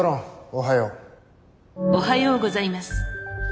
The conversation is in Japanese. おはようございます。